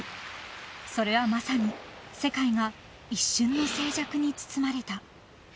それはまさに世界が一瞬の静寂に包まれた］